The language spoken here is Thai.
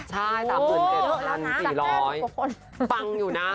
ใช่ตามเกิน๗๔๐๐ปังอยู่นะนะค่ะ